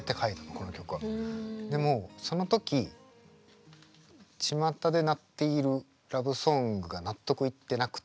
でもその時ちまたで鳴っているラブソングが納得いってなくって。